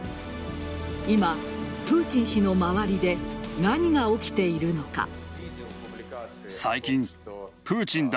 今、プーチン氏の周りで何が起きているのか。